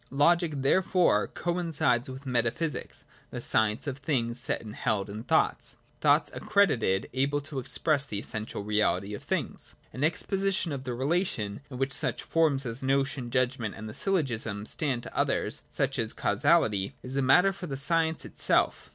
Logic therefore coincides with Metaphysics, the science of things set and held in thoughts, — thoughts ac credited able to express the essential reality of things. An exposition of the relation in which such forms as notion, judgment, and syllogism stand to others, 46 PRELIMINARY NOTION. [24 such as causality, is a matter for the science itself.